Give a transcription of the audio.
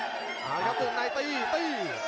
ประโยชน์ทอตอร์จานแสนชัยกับยานิลลาลีนี่ครับ